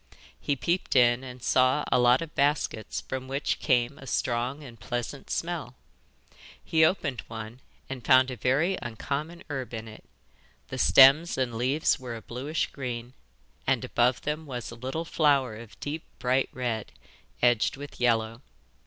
He peeped in and saw a lot of baskets from which came a strong and pleasant smell. He opened one and found a very uncommon herb in it. The stems and leaves were a bluish green, and above them was a little flower of a deep bright red, edged with yellow.